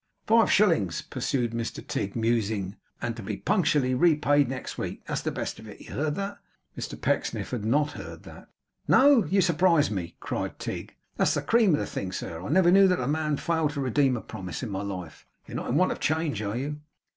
'Five shillings!' pursued Mr Tigg, musing; 'and to be punctually repaid next week; that's the best of it. You heard that?' Mr Pecksniff had not heard that. 'No! You surprise me!' cried Tigg. 'That's the cream of the thing sir. I never knew that man fail to redeem a promise, in my life. You're not in want of change, are you?